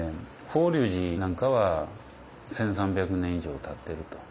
法隆寺なんかは１，３００年以上たってると。